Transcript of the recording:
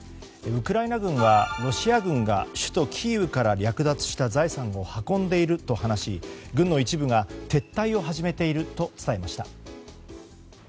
ウクライナ軍はロシア軍が首都キーウから略奪した財産を運んでいると話し軍の一部が撤退を始めていると伝えました。